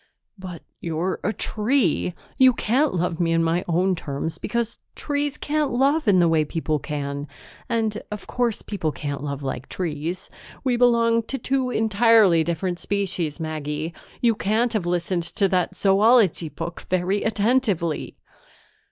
"But you're a tree! You can't love me in my own terms, because trees can't love in the way people can, and, of course, people can't love like trees. We belong to two entirely different species, Maggie. You can't have listened to that zoology book very attentively."